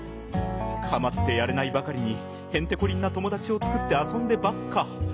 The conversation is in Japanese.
かまってやれないばかりにへんてこりんなともだちをつくってあそんでばっか。